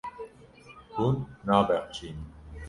Hûn nabexşînin.